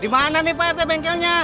di mana nih pak rt bengkelnya